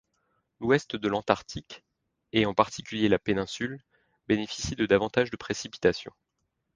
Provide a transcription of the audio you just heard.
L’ouest de l’Antarctique et en particulier la péninsule, bénéficie de davantage de précipitations.